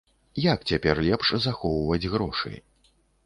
Як цяпер лепш захоўваць грошы?